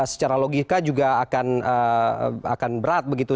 secara logika juga akan berat begitu